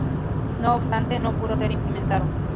No obstante, no pudo ser implementado.